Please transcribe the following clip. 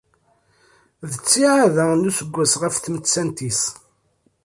Di ttiεad-a n useggas ɣef tmettant-is.